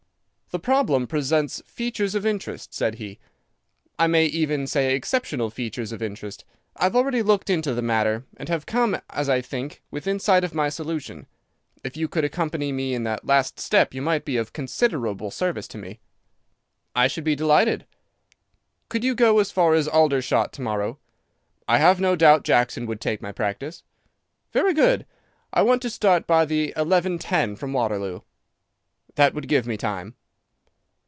"The problem presents features of interest," said he. "I may even say exceptional features of interest. I have already looked into the matter, and have come, as I think, within sight of my solution. If you could accompany me in that last step you might be of considerable service to me." "I should be delighted." "Could you go as far as Aldershot to morrow?" "I have no doubt Jackson would take my practice." "Very good. I want to start by the 11.10 from Waterloo." "That would give me time."